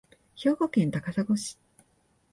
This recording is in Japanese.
兵庫県高砂市